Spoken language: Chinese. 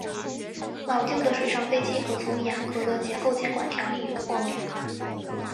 老旧的水上飞机可从严格的结构监管条例豁免。